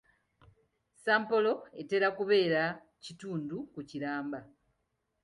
Sampolo etera kubeera kitundu ku kiramba.